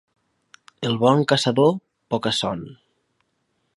El bon caçador, poca son.